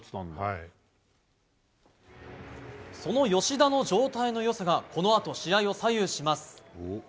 その吉田の状態の良さがこのあと試合を左右します。